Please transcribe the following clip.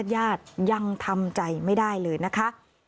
ญาติยังทำใจไม่ได้เลยนะคะ